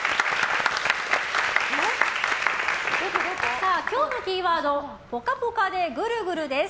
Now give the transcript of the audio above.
さあ、今日のキーワードは「ぽかぽかでぐるぐる」です。